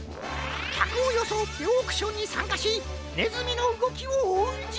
きゃくをよそおってオークションにさんかしねずみのうごきをおうんじゃ。